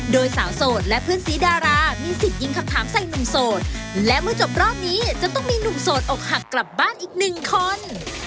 โดยสาวโสดและเพื่อนสีดารามีสิทธิ์ยิงคำถามใส่หนุ่มโสดและเมื่อจบรอบนี้จะต้องมีหนุ่มโสดอกหักกลับบ้านอีกหนึ่งคน